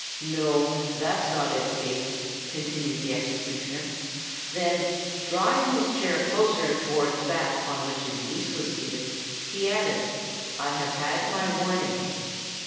"No—that's not it, Kate," continued the executioner; then, drawing his chair closer towards that on which his niece was seated, he added, "I have had my warning."